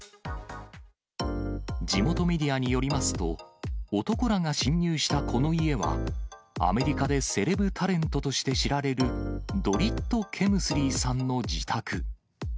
地元メディアによりますと、男らが侵入したこの家は、アメリカでセレブタレントとして知られる、ドリット・ケムスリーさんの自宅。